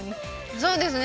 そうですね